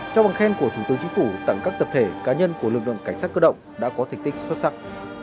trong bằng khen của thủ tướng chính phủ tặng các tập thể cá nhân của lực lượng cảnh sát cơ động đã có thành tích xuất sắc